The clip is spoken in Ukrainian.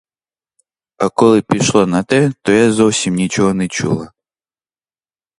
А коли пішло на те, то я зовсім нічого не чула.